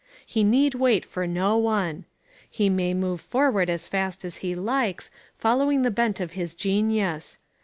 He need wait for no one. He may move forward as fast as he likes, following the bent of his genius.